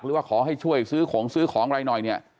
หรือว่าขอให้ช่วยซื้อของซื้อของอะไรหน่อยเนี่ย